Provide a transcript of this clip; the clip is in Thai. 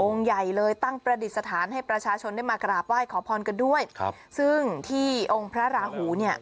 ใหญ่เลยตั้งประดิษฐานให้ประชาชนได้มากราบไหว้ขอพรกันด้วยครับซึ่งที่องค์พระราหูเนี่ย